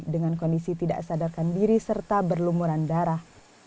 dengan kondisi tidak sadarkan diri serta berlumuran darah